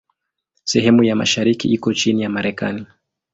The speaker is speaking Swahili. Sehemu ya mashariki iko chini ya Marekani.